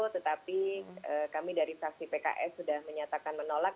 tetapi kami dari saksi pks sudah menyebutkan itu